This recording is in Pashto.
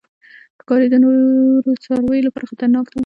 ښکاري د نورو څارویو لپاره خطرناک دی.